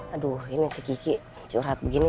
aduh ini si kiki curhat begini